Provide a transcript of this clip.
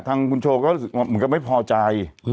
ทางคุณโชว์ก็รู้สึกว่าเหมือนกันไม่พอใจ